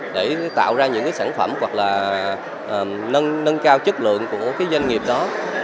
để tạo ra những sản phẩm hoặc là nâng cao chất lượng của doanh nghiệp đó